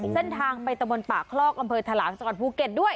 เส้นทางไปตะบนป่าคลอกอำเภอถลางจากภูเก็ตด้วย